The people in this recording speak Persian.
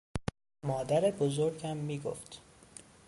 مادر بزرگم می گفت